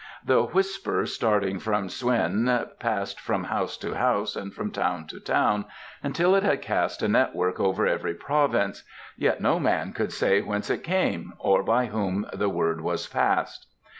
The whisper starting from Sz chuen passed from house to house and from town to town until it had cast a network over every province, yet no man could say whence it came or by whom the word was passed.